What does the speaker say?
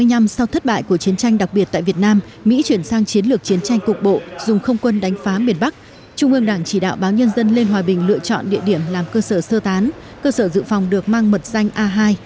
hai mươi năm sau thất bại của chiến tranh đặc biệt tại việt nam mỹ chuyển sang chiến lược chiến tranh cục bộ dùng không quân đánh phá miền bắc trung ương đảng chỉ đạo báo nhân dân lên hòa bình lựa chọn địa điểm làm cơ sở sơ tán cơ sở dự phòng được mang mật danh a hai